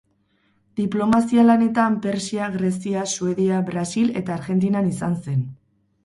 Diplomazia-lanetan Persia, Grezia, Suedia, Brasil eta Argentinan izan zen.